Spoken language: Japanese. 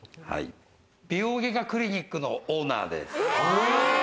美容外科クリニックのオーナーです。